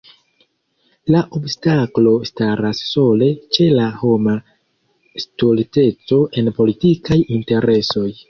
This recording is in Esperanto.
La obstaklo staras sole ĉe la homa stulteco en politikaj interesoj.